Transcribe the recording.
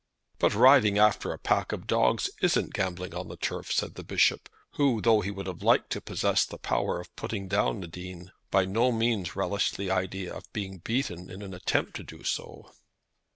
"But riding after a pack of dogs isn't gambling on the turf," said the Bishop, who, though he would have liked to possess the power of putting down the Dean, by no means relished the idea of being beaten in an attempt to do so.